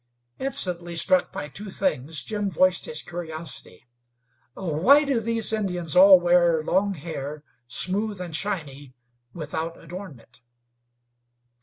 Instantly struck by two things, Jim voiced his curiosity: "Why do these Indians all wear long hair, smooth and shiny, without adornment?"